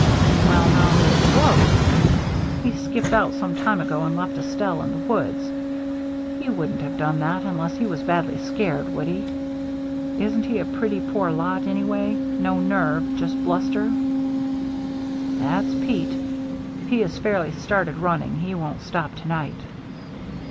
"Well, now, there's Roche. He skipped out some time ago and left Estelle in the woods. He wouldn't have done that unless he was badly scared, would he? Isn't he a pretty poor lot, anyway — no nerve, just bluster?" 342 THE MERRY ANNE " That's Pete. If he is fairly started run ning, he won't stop to night."